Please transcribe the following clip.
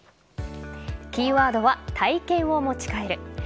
キーワードは体験を持ち帰る。